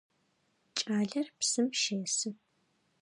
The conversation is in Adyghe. Кӏалэр псым щесы.